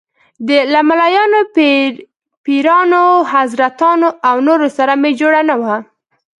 له ملايانو، پیرانو، حضرتانو او نورو سره مې جوړه نه وه.